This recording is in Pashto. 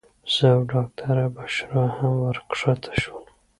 زه او ډاکټره بشرا هم ورښکته شولو.